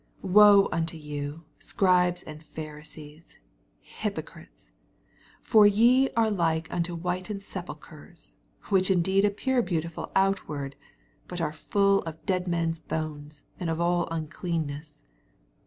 27 Woe unto you. Scribes and Pharisees, hypocrites I for ye are like unto whited sepulchres, which indeed a{)pear beautiful outward, but are within full of dead men's bones, and of all uncleanness.